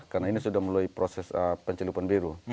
karena ini sudah melalui proses pencelupan biru